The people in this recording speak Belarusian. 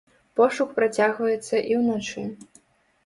Пошук працягваецца і ўначы.